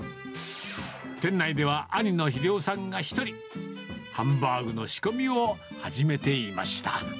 店内では兄のひでおさんが１人、ハンバーグの仕込みを始めていました。